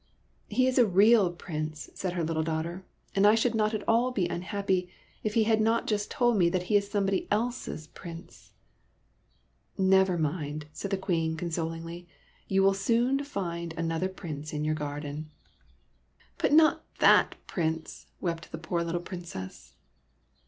"He is a real Prince," said her little daughter ;" and I should not be at all unhappy if he had not just told me that he is somebody else's Prince !"" Never mind," said the Queen, consolingly ; "you will soon find another prince in your garden." SOMEBODY ELSE'S PRINCE 85 " But not that Prince," wept the poor little Princess.